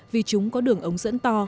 vì chúng có đường ống dẫn to